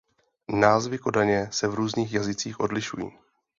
Názvy Kodaně se v různých jazycích odlišují.